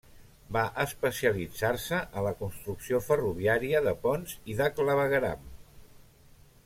Va especialitzar-se a la construcció ferroviària, de ponts i de clavegueram.